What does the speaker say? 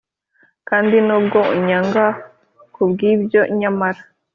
kandi nubwo unyanga kubwibyo, nyamara